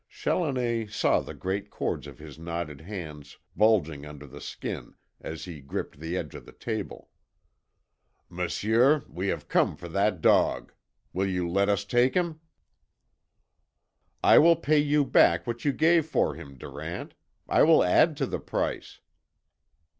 Challoner saw the great cords of his knotted hands bulging under the skin as he gripped the edge of the table. "M'sieu, we have come for that dog. Will you let us take him?" "I will pay you back what you gave for him, Durant. I will add to the price."